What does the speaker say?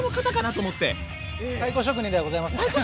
太鼓職人ではございません。